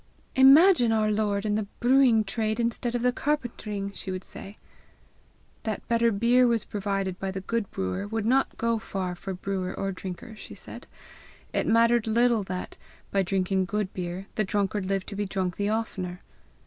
"Imagine our Lord in the brewing trade instead of the carpentering!" she would say. That better beer was provided by the good brewer would not go far for brewer or drinker, she said: it mattered little that, by drinking good beer, the drunkard lived to be drunk the oftener.